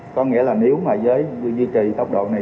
có nghĩa là nếu mà với duy trì tốc độ này